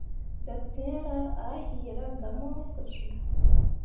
Dattǝǝre a yiira gah mo ke suu.